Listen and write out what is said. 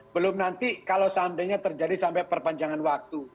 belum nanti kalau seandainya terjadi sampai perpanjangan waktu